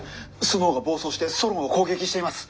スノウが暴走してソロンを攻撃しています！